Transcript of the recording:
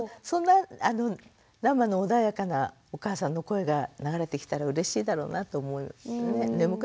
そんな生の穏やかなお母さんの声が流れてきたらうれしいだろうなと思いますね。